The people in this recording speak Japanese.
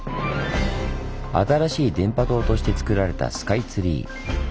新しい電波塔としてつくられたスカイツリー。